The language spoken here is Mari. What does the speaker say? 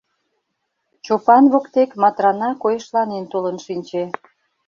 Чопан воктек Матрана койышланен толын шинче.